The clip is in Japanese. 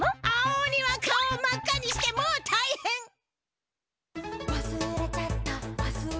青おには顔をまっかにしてもうたいへん！